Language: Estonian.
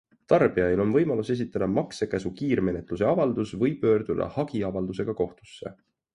Tarbijail on võimalus esitada maksekäsu kiirmenetluse avaldus või pöörduda hagiavaldusega kohtusse.